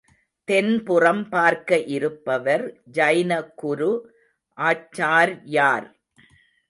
தென்புறம் பார்க்க இருப்பவர் ஜைன குரு ஆச்சார்யார்.